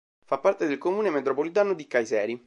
Fa parte del comune metropolitano di Kayseri.